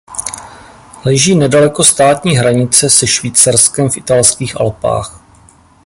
Leží nedaleko státní hranice se Švýcarskem v Italských Alpách.